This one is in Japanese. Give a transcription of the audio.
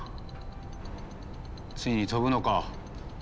ついに飛ぶのか。